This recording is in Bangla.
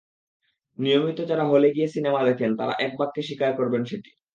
নিয়মিত যারা হলে গিয়ে সিনেমা দেখেন, তারা একবাক্যে স্বীকার করবেন সেটি।